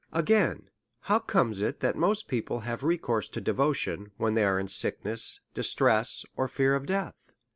Again : How comes it that most people have re course to devotion, when they are in sickness, distress, or fear of death